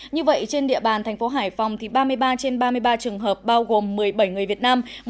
như vậy trên địa bàn thành phố hải phòng thì ba mươi ba trên ba mươi ba trường hợp bao gồm một mươi bảy người việt nam